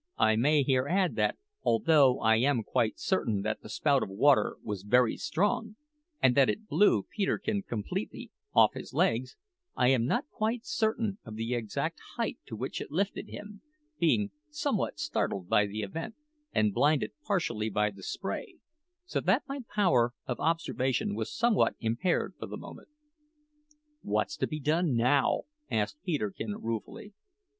I may here add that, although I am quite certain that the spout of water was very strong, and that it blew Peterkin completely off his legs, I am not quite certain of the exact height to which it lifted him, being somewhat startled by the event, and blinded partially by the spray, so that my power of observation was somewhat impaired for the moment. "What's to be done now?" asked Peterkin ruefully.